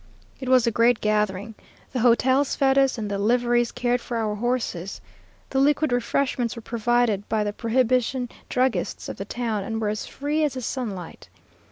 "It was a great gathering. The hotels fed us, and the liveries cared for our horses. The liquid refreshments were provided by the prohibition druggists of the town and were as free as the sunlight.